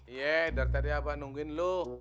iya dari tadi abang nungguin lo